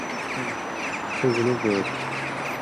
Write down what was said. تُو گُلُو بَیت؟